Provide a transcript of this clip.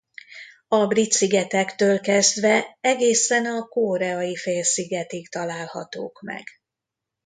A Brit-szigetektől kezdve egészen a Koreai-félszigetig találhatók meg.